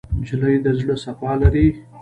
نجلۍ د زړه صفا لري.